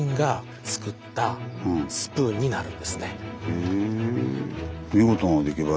へえ。